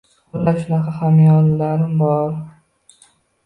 Xullas, shunaqa xomxayollarim bor.